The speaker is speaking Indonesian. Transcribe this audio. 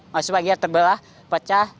mahasiswa terbelah pecah